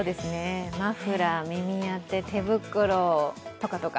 マフラー、耳当て、手袋とかとか。